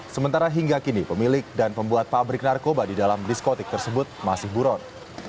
sementara hingga kini pemilik dan pembuat pabrik narkoba di dalam diskotik tersebut masih buron